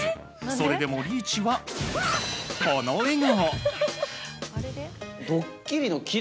それでもリーチは、この笑顔！